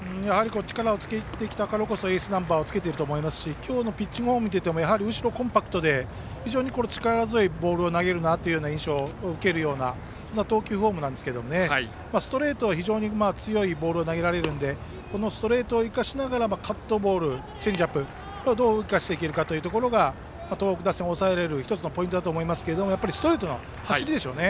力をつけてきたからこそエースナンバーをつけていると思いますし今日のピッチングフォームを見ていてもやはりコンパクトで非常に力強いボールを投げるなという印象を受ける投球フォームなんですがストレートで非常に強いボールを投げられるのでこのストレートを生かしながらカットボールチェンジアップをどう生かせるかが東北打線を抑えられる１つのポイントだと思いますがストレートの走りでしょうね。